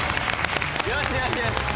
よしよしよし！